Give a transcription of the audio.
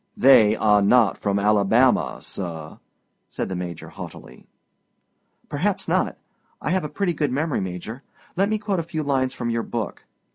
"They are not from Alabama, sir," said the Major haughtily. "Perhaps not. I have a pretty good memory, Major; let me quote a few lines from your book.